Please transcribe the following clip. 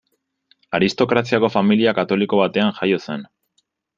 Aristokraziako familia katoliko batean jaio zen.